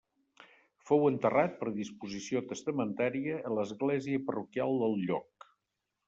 Fou enterrat, per disposició testamentària, a l'església parroquial del lloc.